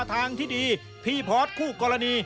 สุดท้ายของพ่อต้องรักมากกว่านี้ครับ